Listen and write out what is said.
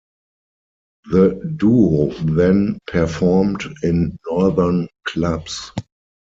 The duo then performed in northern clubs.